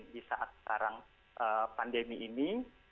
di saat sekarang pandemi ini